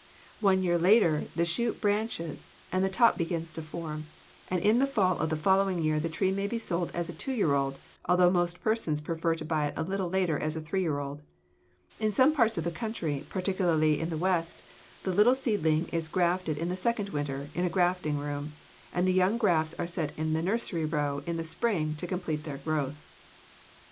One year later the shoot branches and the top begins to form; and in the fall of the following year the tree may be sold as a two year old, although most persons prefer to buy it a year later as a three year old. In some parts of the country, particularly in the West, the little seedling is grafted in the second winter, in a grafting room, and the young grafts are set in the nursery row in the spring to complete their growth.